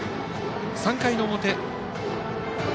３回の表。